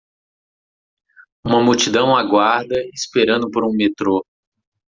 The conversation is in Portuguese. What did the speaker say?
Uma multidão aguarda? esperando por um metrô.